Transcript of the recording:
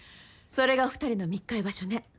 それが２人の密会場所ね。